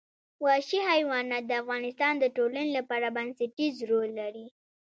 وحشي حیوانات د افغانستان د ټولنې لپاره بنسټيز رول لري.